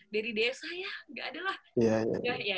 dari desa ya nggak ada lah